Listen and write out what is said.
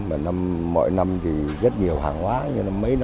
mỗi năm thì rất nhiều hàng hóa